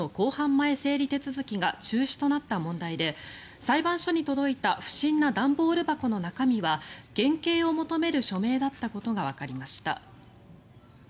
前整理手続きが中止となった問題で裁判所に届いた不審な段ボール箱の中身は減刑を求める署名だったことがわかりました。